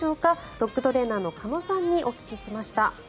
ドッグトレーナーの鹿野さんにお聞きしました。